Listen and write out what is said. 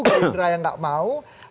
gerindra yang enggak mau